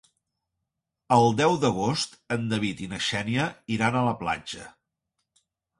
El deu d'agost en David i na Xènia iran a la platja.